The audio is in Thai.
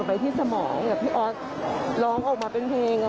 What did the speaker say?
พี่ออดเค้าเกิดมาพี่ให้